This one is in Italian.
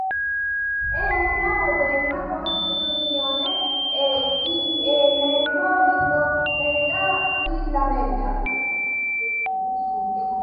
È una moderna costruzione in legno ricoperta di lamiera.